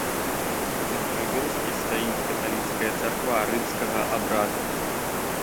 У цэнтры вёскі стаіць каталіцкая царква рымскага абраду.